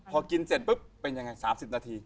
พอกินเสร็จปุ๊บเป็นยังไง๓๐นาที